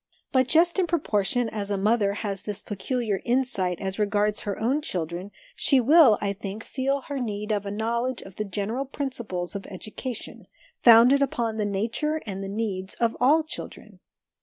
* But just in proportion as a mother has this peculiar insight as regards her own children, she will, I think, feel her need of a knowledge of the general principles of education, founded upon the nature and the needs of all children.